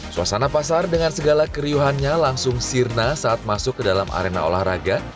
suasana pasar dengan segala keriuhannya langsung sirna saat masuk ke dalam arena olahraga